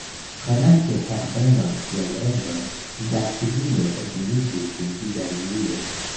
Prenante Herbenon kiel edzon, via kuzino edziniĝus kun bigamiulo.